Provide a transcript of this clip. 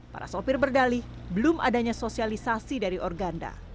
para sopir berdali belum adanya sosialisasi dari organda